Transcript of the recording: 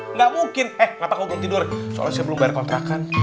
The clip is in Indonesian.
enggak mungkin eh kenapa kamu belum tidur soalnya saya belum bayar kontrakan